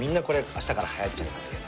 あしたからはやっちゃいますけど。